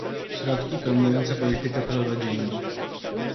Środki promujące politykę prorodzinną